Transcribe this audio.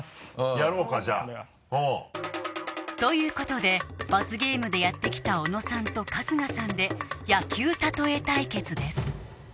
やろうかじゃあ。ということで罰ゲームでやってきた小野さんと春日さんで野球例え対決です